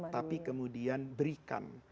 tapi kemudian berikan